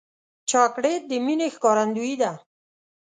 چاکلېټ د مینې ښکارندویي ده.